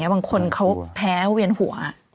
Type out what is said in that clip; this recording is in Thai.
บางคนเขาแพ้เวียนหัว